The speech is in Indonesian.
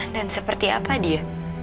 dan seperti apa dia